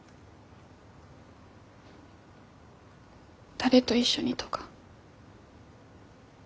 誰と一緒にとか。